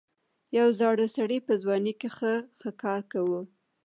یو زاړه سړي په ځوانۍ کې ښه ښکار کاوه.